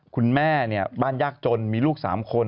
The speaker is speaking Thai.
ขวบที่บ้านแยกจนมีลูกสามคน